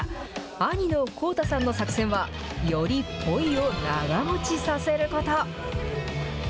兄の輝大さんの作戦は、よりポイを長もちさせること。